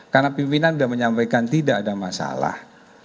karena pimpinan sudah menyampaikan tidak ada masalah